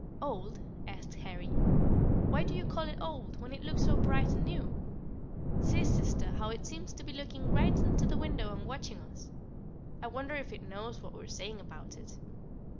"Old?" asked Harry; "why do you call it old, when it looks so bright and new? See, sister, how it seems to be looking right into the window and watching us. I wonder if it knows what we are saying about it.